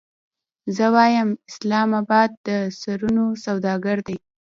زه وایم اسلام اباد د سرونو سوداګر دی.